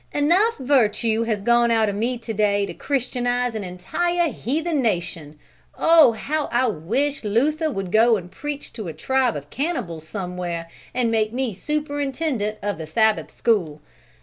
"Enough virtue has gone out of me to day to Christianize an entire heathen nation! Oh! how I wish Luther would go and preach to a tribe of cannibals somewhere, and make me superintendent of the Sabbath School!